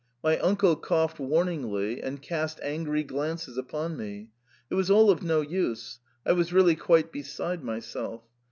My uncle coughed warningly, and cast angry glances upon me ; it was all of no use, I was really quite beside my self.